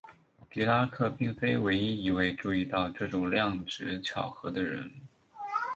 狄拉克并非唯一一位注意到这种量值巧合的人。